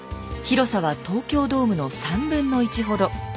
広さは東京ドームの３分の１ほど。